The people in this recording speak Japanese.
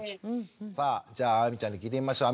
さあじゃあ亜美ちゃんに聞いてみましょう。